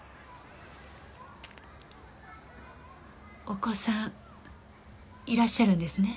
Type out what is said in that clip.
お子さんいらっしゃるんですね。